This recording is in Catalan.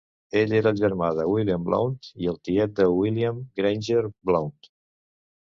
Ell era el germà de William Blount i el tiet de William Grainger Blount.